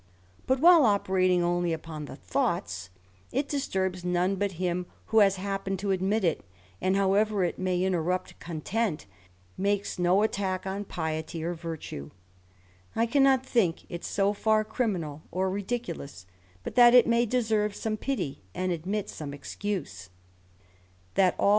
But while operating only upon the thoughts, it disturbs none but him who has happened to admit it, and, however it may interrupt content, makes no attack on piety or virtue, I cannot think it so far criminal or ridiculous, but that it may deserve some pity, and admit some excuse; That al!